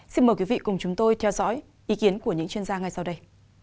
xin mời quý vị cùng chúng tôi theo dõi ý kiến của những chuyên gia ngay sau đây